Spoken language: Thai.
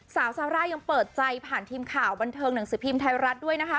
สาวซาร่ายังเปิดใจผ่านทีมข่าวบันเทิงหนังสือพิมพ์ไทยรัฐด้วยนะคะ